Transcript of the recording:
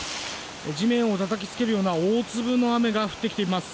地面をたたきつけるような大粒の雨が降ってきています。